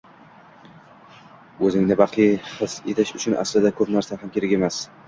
O`zingni baxtli his etish uchun aslida ko`p narsa ham kerak emas